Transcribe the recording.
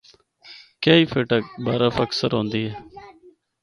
کئی فٹ برف اکثر ہوندی اے۔